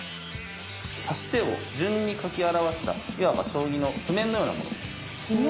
指し手を順に書き表したいわば将棋の譜面のようなものです。